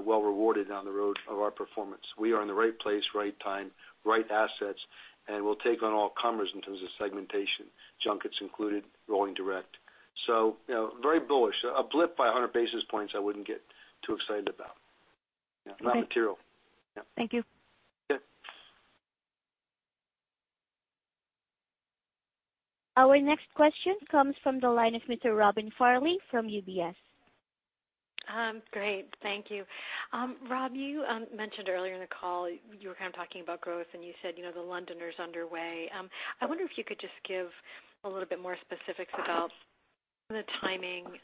well rewarded down the road of our performance. We are in the right place, right time, right assets, and we'll take on all comers in terms of segmentation, junkets included, rolling direct. Very bullish. A blip by 100 basis points I wouldn't get too excited about. Yeah. Okay. Not material. Yeah. Thank you. Okay. Our next question comes from the line of Mr. Robin Farley from UBS. Great. Thank you. Rob, you mentioned earlier in the call, you were kind of talking about growth, you said The Londoner's underway. I wonder if you could just give a little bit more specifics about the timing-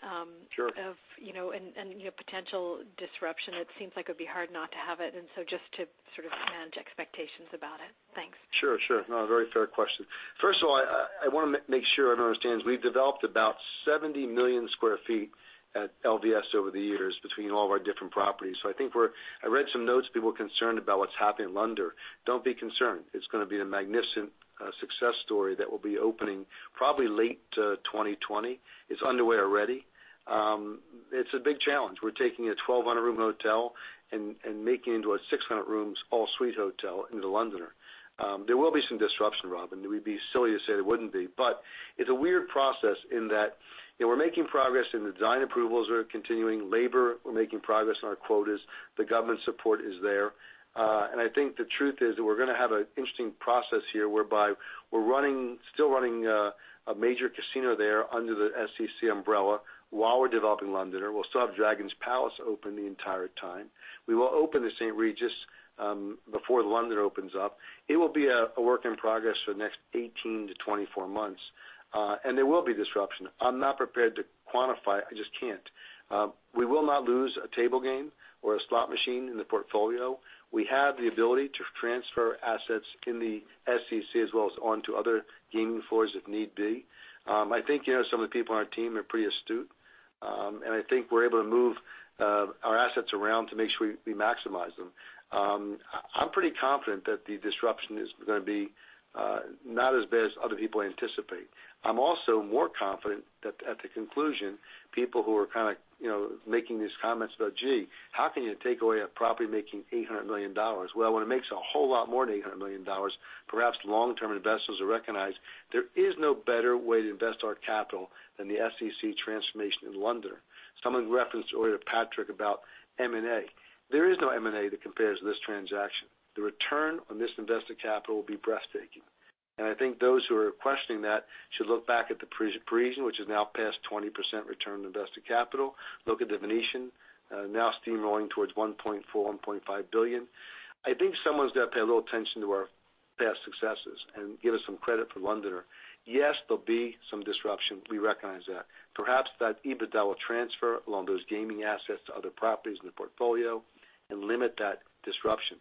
Sure. and potential disruption. It seems like it would be hard not to have it, just to sort of manage expectations about it. Thanks. Sure. No, very fair question. First of all, I want to make sure everyone understands, we've developed about 70 million sq ft at LVS over the years between all of our different properties. I read some notes, people are concerned about what's happening in The Londoner. Don't be concerned. It's going to be a magnificent success story that will be opening probably late 2020. It's underway already. It's a big challenge. We're taking a 1,200-room hotel and making it into a 600 rooms, all-suite hotel into The Londoner. There will be some disruption, Robin. We'd be silly to say there wouldn't be. It's a weird process in that we're making progress in the design approvals. We're continuing labor. We're making progress on our quotas. The government support is there. I think the truth is that we're going to have an interesting process here whereby we're still running a major casino there under the SCC umbrella while we're developing Londoner. We'll still have Dragon Palace open the entire time. We will open The St. Regis before the Londoner opens up. It will be a work in progress for the next 18-24 months. There will be disruption. I'm not prepared to quantify it. I just can't. We will not lose a table game or a slot machine in the portfolio. We have the ability to transfer assets in the SCC as well as onto other gaming floors if need be. I think some of the people on our team are pretty astute, and I think we're able to move our assets around to make sure we maximize them. I'm pretty confident that the disruption is going to be not as bad as other people anticipate. I'm also more confident that at the conclusion, people who are kind of making these comments about, "Gee, how can you take away a property making $800 million?" Well, when it makes a whole lot more than $800 million, perhaps long-term investors will recognize there is no better way to invest our capital than the SCC transformation in Londoner. Someone referenced earlier, Patrick, about M&A. There is no M&A that compares to this transaction. The return on this invested capital will be breathtaking. I think those who are questioning that should look back at The Parisian, which has now passed 20% return on invested capital. Look at The Venetian, now steamrolling towards $1.4 billion, $1.5 billion. I think someone's got to pay a little attention to our past successes and give us some credit for Londoner. Yes, there'll be some disruption. We recognize that. Perhaps that EBITDA will transfer along those gaming assets to other properties in the portfolio and limit that disruption.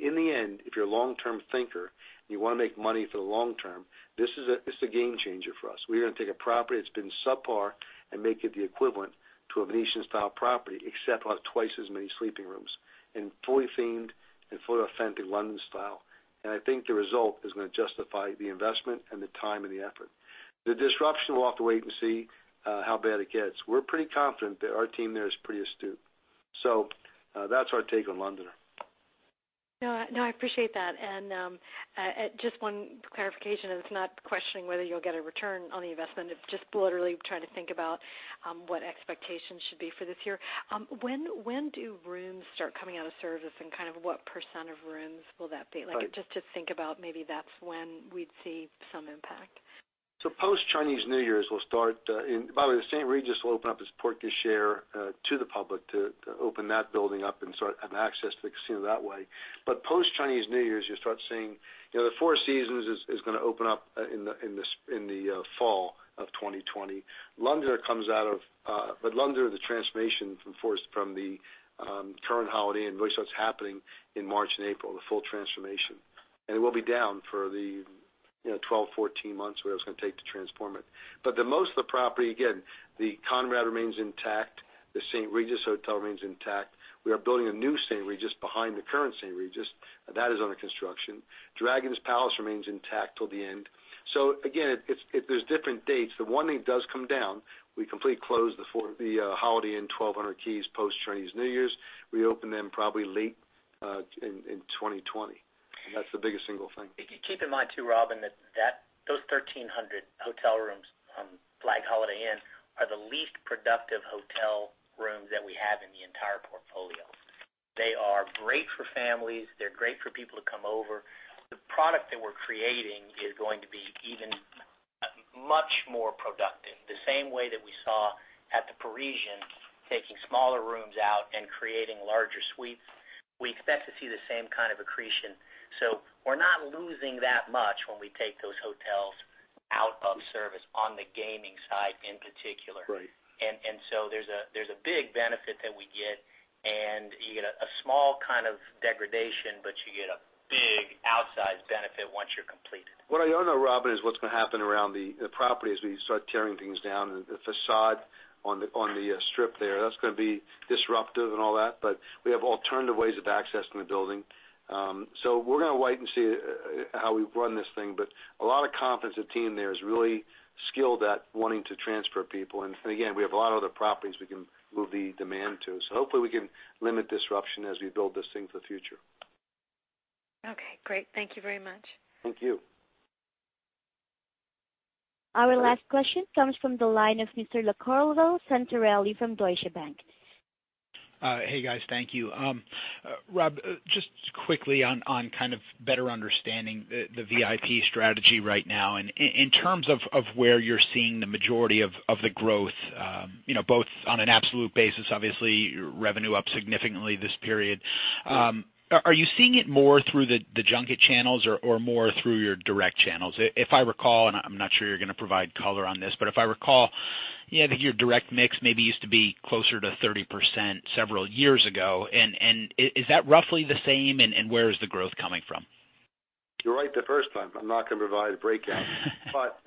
In the end, if you're a long-term thinker and you want to make money for the long term, this is a game changer for us. We're going to take a property that's been subpar and make it the equivalent to a Venetian-style property, except we'll have twice as many sleeping rooms and fully themed and fully authentic London style. I think the result is going to justify the investment and the time and the effort. The disruption, we'll have to wait and see how bad it gets. We're pretty confident that our team there is pretty astute. That's our take on Londoner. No, I appreciate that. Just one clarification, it's not questioning whether you'll get a return on the investment. It's just literally trying to think about what expectations should be for this year. When do rooms start coming out of service, and kind of what percent of rooms will that be? Right. Just to think about maybe that's when we'd see some impact. Post-Chinese New Year, we'll start. By the way, the St. Regis will open up its porte cochere to the public to open that building up and have access to the casino that way. Post-Chinese New Year, you'll start seeing the Four Seasons is going to open up in the fall of 2020. Londoner, the transformation from the current Holiday Inn, and really starts happening in March and April, the full transformation. It will be down for the 12, 14 months, whatever it's going to take to transform it. The most of the property, again, the Conrad remains intact. The St. Regis Hotel remains intact. We are building a new St. Regis behind the current St. Regis, that is under construction. Dragon Palace remains intact till the end. Again, there's different dates. The one thing that does come down, we completely close the Holiday Inn 1,200 keys post Chinese New Year. Reopen them probably late in 2020. That's the biggest single thing. If you keep in mind too, Robin, that those 1,300 hotel rooms flag Holiday Inn are the least productive hotel rooms that we have in the entire portfolio. They are great for families. They're great for people to come over. The product that we're creating is going to be even much more productive. The same way that we saw at the Parisian, taking smaller rooms out and creating larger suites. We expect to see the same kind of accretion. We're not losing that much when we take those hotels out of service on the gaming side in particular. Right. There's a big benefit that we get, and you get a small kind of degradation, you get a big outsized benefit once you're completed. What I don't know, Robin, is what's going to happen around the property as we start tearing things down and the facade on the Strip there. That's going to be disruptive and all that, we have alternative ways of accessing the building. We're going to wait and see how we run this thing. We have a lot of confidence. The team there is really skilled at wanting to transfer people. Again, we have a lot of other properties we can move the demand to. Hopefully we can limit disruption as we build this thing for the future. Okay, great. Thank you very much. Thank you. Our last question comes from the line of Mr. Carlo Santarelli from Deutsche Bank. Hey, guys. Thank you. Rob, just quickly on kind of better understanding the VIP strategy right now. In terms of where you're seeing the majority of the growth, both on an absolute basis, obviously revenue up significantly this period. Are you seeing it more through the junket channels or more through your direct channels? If I recall, and I'm not sure you're going to provide color on this, but if I recall, I think your direct mix maybe used to be closer to 30% several years ago. Is that roughly the same, and where is the growth coming from? You're right the first time. I'm not going to provide a breakdown, but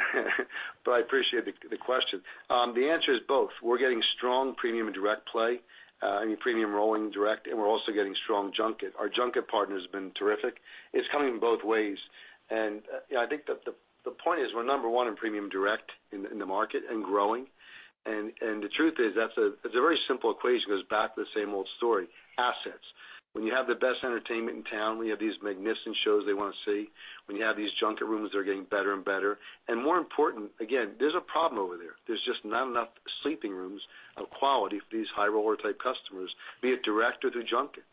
I appreciate the question. The answer is both. We're getting strong premium direct play, I mean premium rolling direct, and we're also getting strong junket. Our junket partner has been terrific. It's coming both ways. I think that the point is we're number one in premium direct in the market and growing. The truth is, it's a very simple equation, it goes back to the same old story, assets. When you have the best entertainment in town, when you have these magnificent shows they want to see, when you have these junket rooms that are getting better and better. More important, again, there's a problem over there. There's just not enough sleeping rooms of quality for these high roller type customers, be it direct or through junket.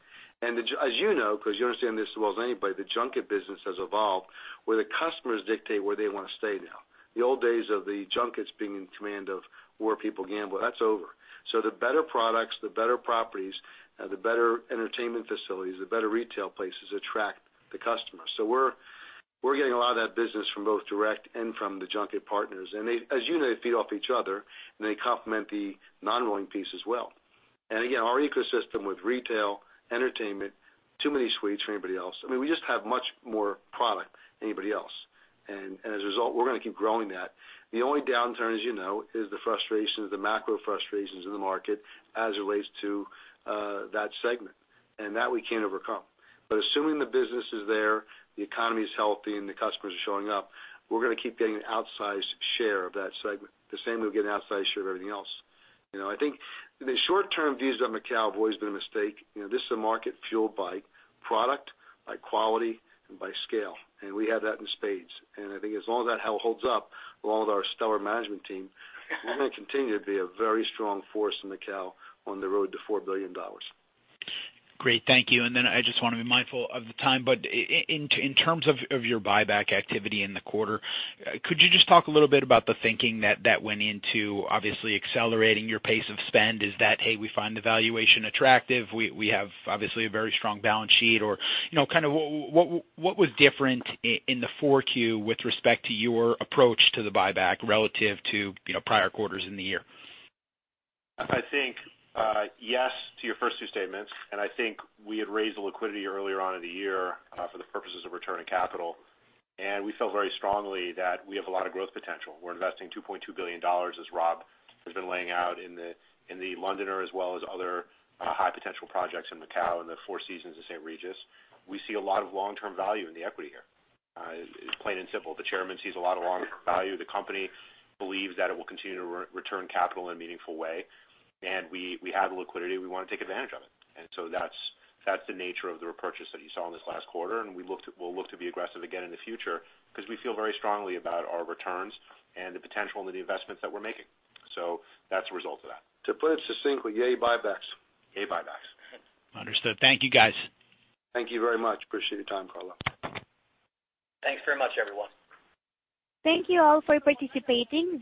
As you know, because you understand this as well as anybody, the junket business has evolved where the customers dictate where they want to stay now. The old days of the junkets being in command of where people gamble, that's over. The better products, the better properties, the better entertainment facilities, the better retail places attract the customers. We're getting a lot of that business from both direct and from the junket partners. As you know, they feed off each other, and they complement the non-rolling piece as well. Again, our ecosystem with retail, entertainment, too many suites for anybody else. I mean, we just have much more product than anybody else. As a result, we're going to keep growing that. The only downturn, as you know, is the macro frustrations in the market as it relates to that segment, and that we can't overcome. Assuming the business is there, the economy is healthy, and the customers are showing up, we're going to keep getting an outsized share of that segment. The same we'll get an outsized share of everything else. I think the short-term views on Macao have always been a mistake. This is a market fueled by product, by quality, and by scale, and we have that in spades. I think as long as that holds up, along with our stellar management team, we're going to continue to be a very strong force in Macao on the road to $4 billion. Great. Thank you. I just want to be mindful of the time, in terms of your buyback activity in the quarter, could you just talk a little bit about the thinking that went into obviously accelerating your pace of spend? Is that, hey, we find the valuation attractive, we have obviously a very strong balance sheet. What was different in the 4Q with respect to your approach to the buyback relative to prior quarters in the year? I think, yes to your first two statements. I think we had raised the liquidity earlier on in the year, for the purposes of returning capital. We felt very strongly that we have a lot of growth potential. We're investing $2.2 billion, as Rob has been laying out in The Londoner as well as other high potential projects in Macao and the Four Seasons and The St. Regis. We see a lot of long-term value in the equity here. It's plain and simple. The Chairman sees a lot of long-term value. The company believes that it will continue to return capital in a meaningful way. We have the liquidity, we want to take advantage of it. That's the nature of the repurchase that you saw in this last quarter, and we'll look to be aggressive again in the future because we feel very strongly about our returns and the potential in the investments that we're making. That's a result of that. To put it succinctly, yay, buybacks. Yay, buybacks. Understood. Thank you, guys. Thank you very much. Appreciate your time, Carlo. Thanks very much, everyone. Thank you all for participating.